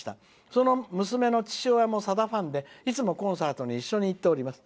その娘の父親もさだファンでいつもコンサートにいつも一緒に行っています。